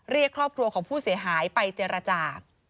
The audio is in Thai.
เรียกครอบครัวของผู้เสียหายไปเจรจา